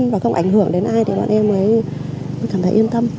và không ảnh hưởng đến ai thì bọn em mới cảm thấy yên tâm